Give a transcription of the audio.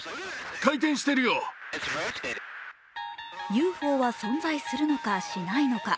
ＵＦＯは存在するのか、しないのか。